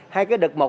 hai cái đợt một